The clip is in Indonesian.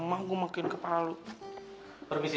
memang kupu mercy sih dia